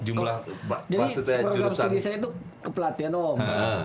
jadi program studi saya itu kepelatihan om